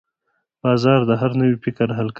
بازار د هر نوي فکر هرکلی کوي.